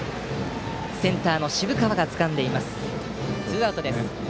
センターの渋川がつかんでツーアウト。